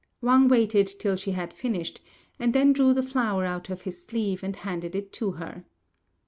Wang waited till she had finished, and then drew the flower out of his sleeve and handed it to her.